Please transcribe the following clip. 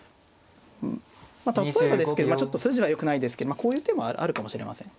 例えばですけどちょっと筋がよくないですけどこういう手もあるかもしれません。